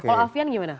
kalau afian gimana